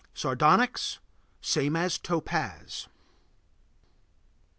Sardonyx. Same as Topaz.